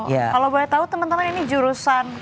kalau banyak yang tau temen temen ini jurusan kuliah